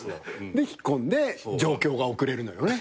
引っ込んで上京が遅れるのよね。